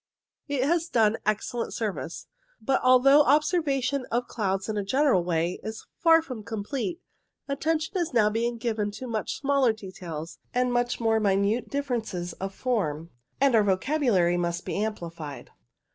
It has done excellent service ; but although observation of clouds in a general way is far from complete, attention is now bfeing given to much smaller details and much more minute differences of form, and our vocabulary must be amplified.